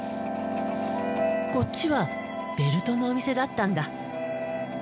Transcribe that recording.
こっちはベルトのお店だったんだ。